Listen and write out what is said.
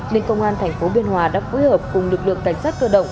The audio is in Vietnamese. nên công an thành phố biên hòa đã phối hợp cùng lực lượng cảnh sát cơ động